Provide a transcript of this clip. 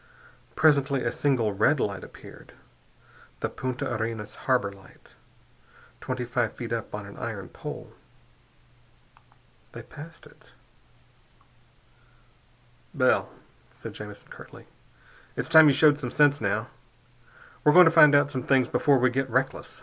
Presently a single red light appeared, the Punta Arenas harbor light, twenty five feet up on an iron pole. They passed it. "Bell," said Jamison curtly, "it's time you showed some sense, now. We're going to find out some things before we get reckless.